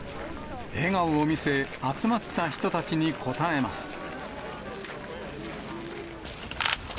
笑顔を見せ、集まった人たちに応えます。